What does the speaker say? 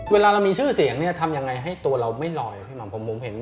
เวลาเรามีชื่อเสียงเนี่ยทำยังไงให้ตัวเราไม่ลอยพี่หม่ำ